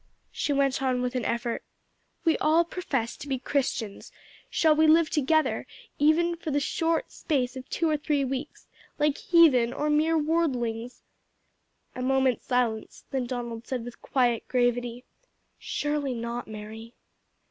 She went on with an effort. "We all profess to be Christians: shall we live together, even for the short space of two or three weeks, like heathen or mere worldings?" A moment's silence, then Donald said with quiet gravity, "Surely not, Mary."